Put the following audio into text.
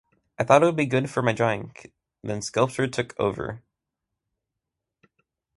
I thought it would be good for my drawing - then sculpture took over.